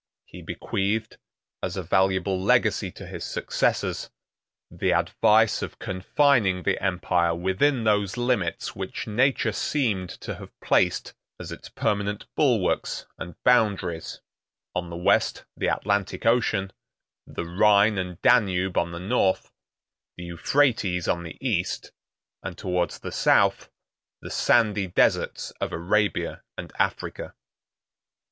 He bequeathed, as a valuable legacy to his successors, the advice of confining the empire within those limits which nature seemed to have placed as its permanent bulwarks and boundaries: on the west, the Atlantic Ocean; the Rhine and Danube on the north; the Euphrates on the east; and towards the south, the sandy deserts of Arabia and Africa.